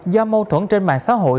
do mâu thuẫn trên mạng xã hội